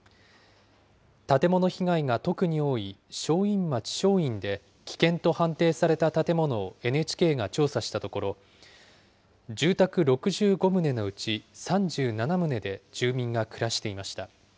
建物被害が特に多い正院町正院で、危険と判定された建物をＮＨＫが調査したところ、住宅６５棟のうち３７棟で住民が暮らしていました。